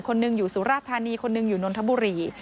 คนหนึ่งอยู่สุราธานีคนหนึ่งอยู่นนทบุรี